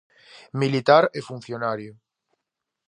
Militar e funcionario.